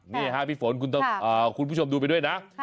นี่ค่ะพี่ฝนคุณผู้ชมดูไปด้วยนะ